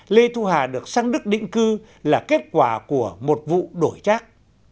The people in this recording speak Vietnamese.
lê thu hà được sang đức định cư là kết quả của một vụ đổi trác